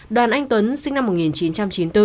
đoàn anh tuấn sinh năm một nghìn chín trăm chín mươi bốn